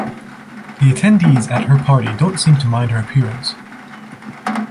The attendees at her party don't seem to mind her appearance.